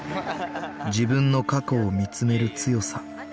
自分の過去を見つめる強さ